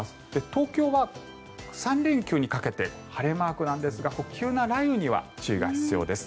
東京は３連休にかけて晴れマークなんですが急な雷雨には注意が必要です。